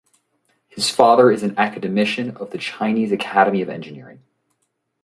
His father is an academician of the Chinese Academy of Engineering.